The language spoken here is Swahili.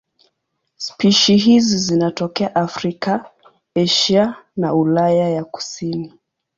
Spishi hizi zinatokea Afrika, Asia na Ulaya ya kusini.